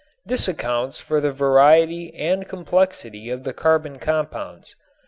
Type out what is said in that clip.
This accounts for the variety and complexity of the carbon compounds.